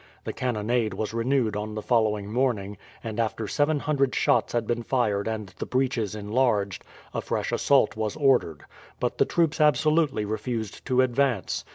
The cannonade was renewed on the following morning, and after 700 shots had been fired and the breaches enlarged, a fresh assault was ordered. But the troops absolutely refused to advance.